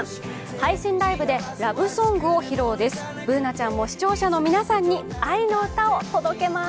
配信ライブでラブソングを披露です。